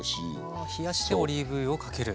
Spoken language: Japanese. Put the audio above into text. は冷やしてオリーブ油をかける。